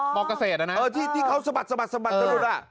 อ๋อบอกเกษตรอ่ะนะเออที่ที่เขาสะบัดสะบัดสะบัดตะดุดอ่ะ